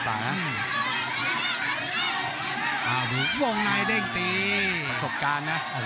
โหโหโหโหโหโหโหโห